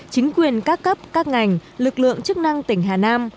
chính quyền các cấp các ngành lực lượng chức năng tỉnh hà nam